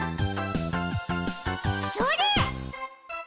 それ！